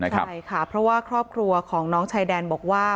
ใช่ค่ะเพราะว่าครอบครัวของน้องชายแดนบอกว่า